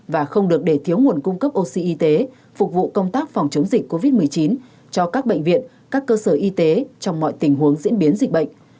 và không được để thiếu nguồn cung cấp oxy y tế phục vụ công tác phòng chống dịch covid một mươi chín cho các bệnh viện các cơ sở y tế trong mọi tình huống diễn biến dịch bệnh